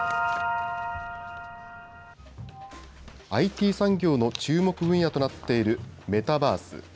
ＩＴ産業の注目分野となっているメタバース。